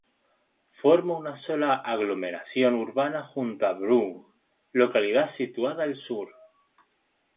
Forma una sola aglomeración urbana junto con Burgh, localidad situada al sur.